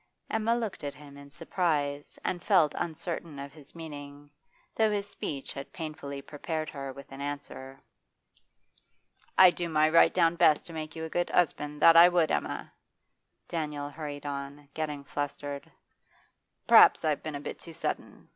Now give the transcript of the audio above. Emma looked at him in surprise and felt uncertain of his meaning, though his speech had painfully prepared her with an answer. 'I'd do my right down best to make you a good 'usband, that I would, Emma!' Daniel hurried on, getting flustered. 'Perhaps I've been a bit too sudden?